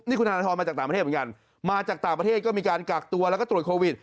นี่คุณธนทรมาจากต่างประเทศเหมือนกันมาจากต่างประเทศก็มีการกักตัวแล้วก็ตรวจโควิด